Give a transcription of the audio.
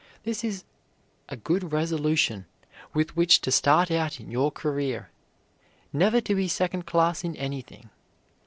This is a good resolution with which to start out in your career; never to be second class in anything.